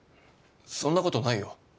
そんなことないよ。